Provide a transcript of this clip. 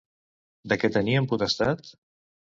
De què tenien potestat?